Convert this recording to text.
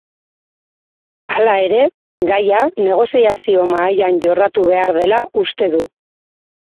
Hala ere, gaia negoziazio mahaian jorratu behar dela uste du.